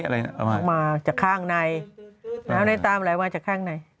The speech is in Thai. น้ำในตามันไร้จะข้างในมาจากข้างในมาจากข้างใน